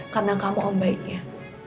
karena kamu om baiknya